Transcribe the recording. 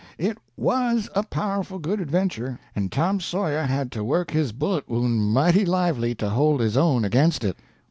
It was a powerful good adventure, and Tom Sawyer had to work his bullet wound mighty lively to hold his own against it.